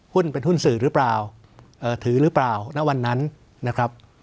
หุ้นเป็นหุ้นสื่อหรือเปล่าถือหรือเปล่าณวันนั้นนะครับ